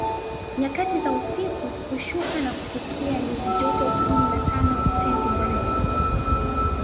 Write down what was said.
Nyakati za usiku hushuka na kufikia nyuzi joto kumi na tano sentigredi